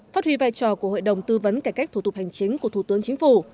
phát huy vai trò của hội đồng tư vấn cải cách thủ tục hành chính của thủ tướng chính phủ